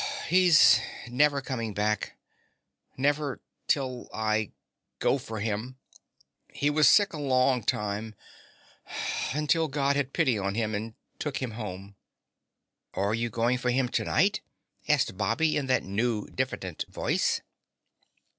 "He's never coming back ... never till I ... go for him. He was sick a long time ... until God had pity on him and took him home." "Are you going for him tonight?" asked Bobby in that new, diffident voice.